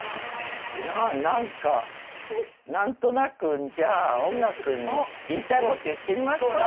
何か何となくじゃあ音楽に言いたいこと言ってみますか。